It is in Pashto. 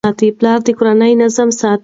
پلار د کورنۍ نظم ساتي.